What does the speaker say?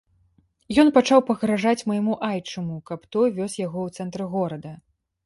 Ён пачаў пагражаць майму айчыму, каб той вёз яго ў цэнтр горада.